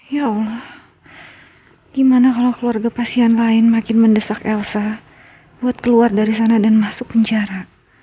ya allah gimana kalau keluarga pasien lain makin mendesak elsa buat keluar dari sana dan masuk penjara